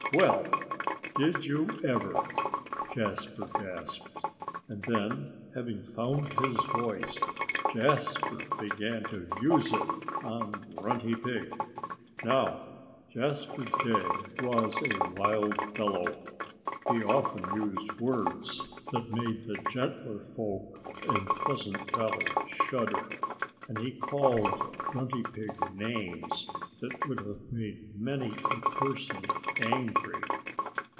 "Well, did you ever?" Jasper gasped. And then, having found his voice, Jasper began to use it on Grunty Pig. Now, Jasper Jay was a wild fellow. He often used words that made the gentler folk in Pleasant Valley shudder. And he called Grunty Pig names that would have made many a person angry.